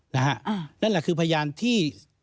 นั่นแหละคือพยานที่